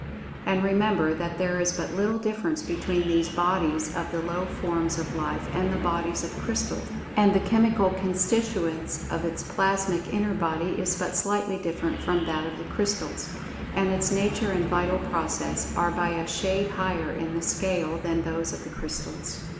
And, remember, that there is but little difference between these "bodies" of the low forms of life, and the bodies of crystals. And the chemical constituents of its plasmic inner body is but slightly different from that of the crystals. And its nature and vital process are by a shade higher in the scale than those of the crystals.